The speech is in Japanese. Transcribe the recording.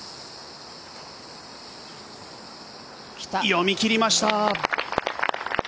読み切りました。